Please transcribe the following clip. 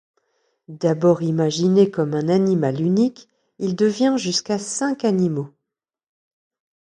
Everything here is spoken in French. D'abord imaginé comme un animal unique, il devient jusqu'à cinq animaux.